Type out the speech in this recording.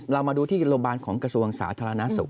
เรามาดูที่โรงพยาบาลของกระทรวงสาธารณสุข